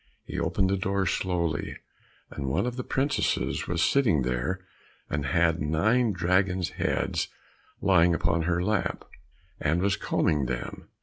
He opened the door slowly, and one of the princesses was sitting there, and had nine dragon's heads lying upon her lap, and was combing them.